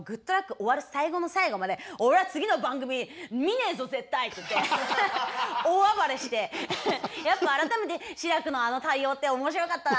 終わる最後の最後まで「俺は次の番組見ねえぞ絶対」って言って大暴れしてやっぱ改めて志らくのあの対応って面白かったなって。